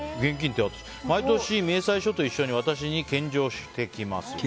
毎年、明細書と一緒に私に献上してきます。